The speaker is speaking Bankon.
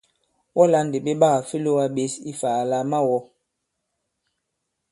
Wɔ lā ndì ɓe ɓaà fe lōgā ɓěs ifà àlà à ma-wɔ̃!